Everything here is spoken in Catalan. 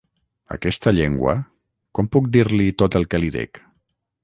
Aquesta llengua... Com puc dir-li tot el que li dec?